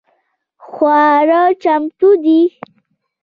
خواړه چمتو دي؟